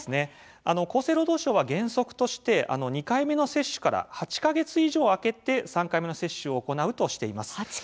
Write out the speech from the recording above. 厚生労働省が原則として２回目の接種から８か月以上空けて３回目の接種を行うこととしています。